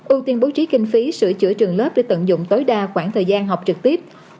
ưu tiên bố trí kinh phí sửa chữa trường lớp để tận dụng tối đa khoảng thời gian học trực tiếp